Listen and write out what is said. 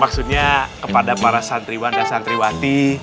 maksudnya kepada para santriwan dan santriwati